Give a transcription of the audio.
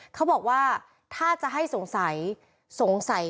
เขาบอกว่าถ้าจะให้สงสัย